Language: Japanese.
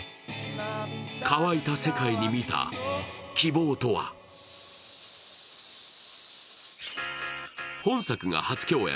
乾いた世界に見た希望とは本作が初共演。